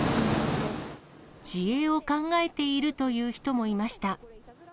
自衛を考えているという人もいました。